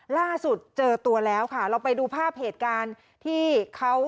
ล่าสุดเจอตัวแล้วค่ะเราไปดูภาพเหตุการณ์ที่เขา